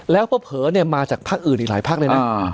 แล้วเพราะเผอเนี่ยมาจากภาคอื่นอีกหลายภาคเลยนะ